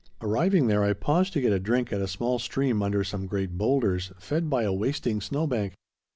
Arriving there I paused to get a drink at a small stream under some great boulders, fed by a wasting snow bank.